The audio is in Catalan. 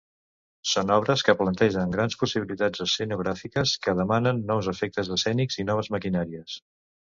Són obres que plantegen grans possibilitats escenogràfiques, que demanen nous efectes escènics i noves maquinàries.